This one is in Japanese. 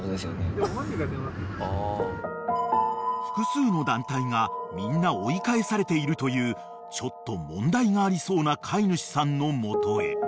［複数の団体がみんな追い返されているというちょっと問題がありそうな飼い主さんの元へ］